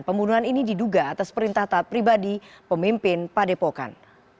pembunuhan ini diduga atas perintah taat pribadi pemimpin padepokan